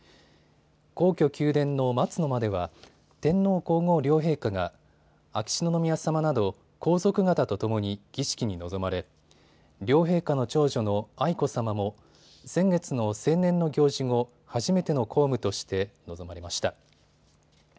皇居・宮殿の松の間では天皇皇后両陛下が秋篠宮さまなど皇族方とともに儀式に臨まれ両陛下の長女の愛子さまも先月の成年の行事後、初めての公務として臨まれました。